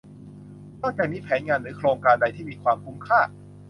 นอกจากนี้แผนงานหรือโครงการใดที่มีความคุ้มค่า